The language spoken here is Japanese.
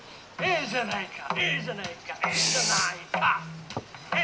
「ええじゃないか」